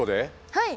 はい！